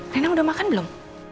rena udah makan belum